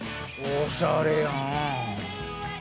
おしゃれやん。